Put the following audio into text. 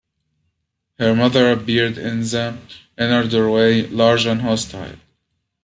Her mother appeared in the inner doorway, large and hostile.